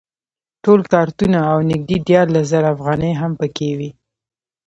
ټول کارتونه او نږدې دیارلس زره افغانۍ هم په کې وې.